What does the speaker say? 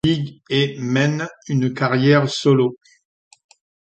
Big et mène une carrière solo.